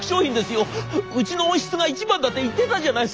うちの音質が一番だって言ってたじゃないっすか！